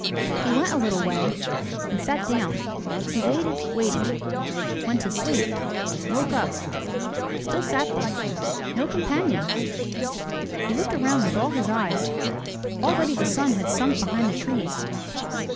He went a little way and sat down. He waited, waited, — went to sleep, woke up, — still sat there, — no companion! He looked around with all his eyes. Already the sun had sunk behind the trees.